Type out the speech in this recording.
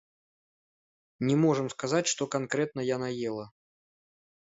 Не можам сказаць, што канкрэтна яна ела.